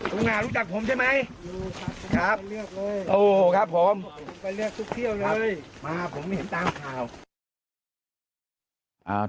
รู้จักผมใช่ไหมครับโอ้โหครับผมไปเรียกทุกเที่ยวเลยมาผมเห็นตามข่าว